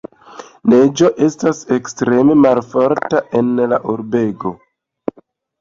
Neĝo estas ekstreme malofta en la urbego.